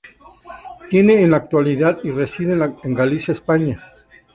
Tiene en la actualidad y reside en Galicia, España.